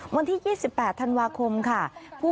วันที่๒๘ธันวาคมค่ะ